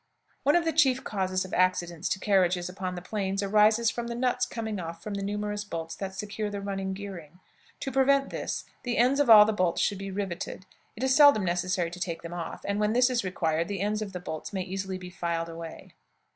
One of the chief causes of accidents to carriages upon the plains arises from the nuts coming off from the numerous bolts that secure the running gearing. To prevent this, the ends of all the bolts should be riveted; it is seldom necessary to take them off, and when this is required the ends of the bolts may easily be filed away.